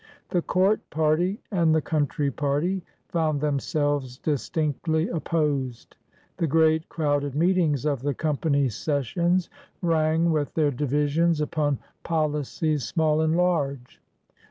The court party and the country party found themselves distinctly opposed. The great, crowded meetings of the Company Sessions rang with their divisions upon policies small and large.